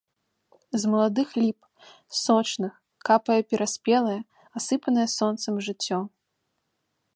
З маладых ліп, з сочных, капае пераспелае, асыпанае сонцам жыццё.